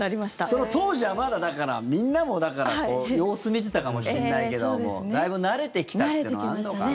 その当時は、まだみんなも様子見てたかもしれないけどだいぶ慣れてきたっていうのはあるのかな。